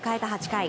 ８回。